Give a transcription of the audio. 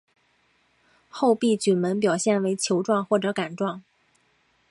厚壁菌门表现为球状或者杆状。